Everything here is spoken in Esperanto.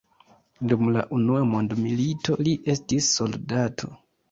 Dum la unua mondmilito li estis soldato.